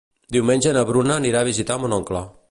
Diumenge na Bruna anirà a visitar mon oncle.